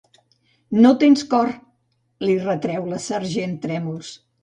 No tens cor! —li retreu la sergent Trèmols.